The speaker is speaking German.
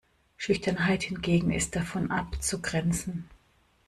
Schüchternheit hingegen ist davon abzugrenzen.